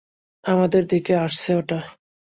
আমাদের দিকে আসছে ওটা।